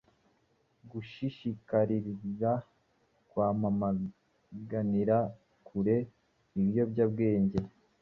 Gushishikarira kwamaganira kure ibiyobyabwenge